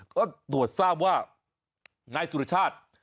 ก็ตรวจทราบว่านายสุรชาติ